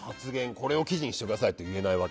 これを記事にしてくださいって。